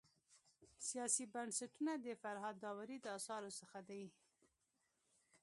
سیاسي بنسټونه د فرهاد داوري د اثارو څخه دی.